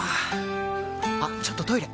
あっちょっとトイレ！